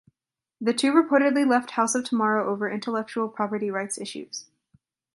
The two reportedly left House of Tomorrow over intellectual property rights issues.